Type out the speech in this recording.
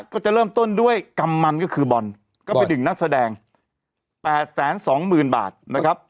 ก็จะเริ่มต้นด้วยกำมันก็คือบอลก็ไปดึงนักแสดงแปดแสนสองหมื่นบาทนะครับ